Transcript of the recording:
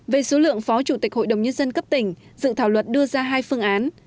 về số lượng phó chủ tịch hội đồng nhân dân cấp tỉnh dự thảo luật đưa ra hai phương án